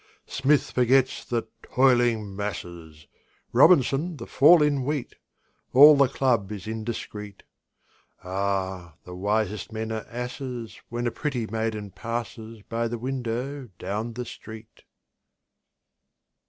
Smith forgets the "toiling masses," Robinson, the fall in wheat; All the club is indiscret. Ah, the wisest men are asses When a pretty maiden passes By the window down the street!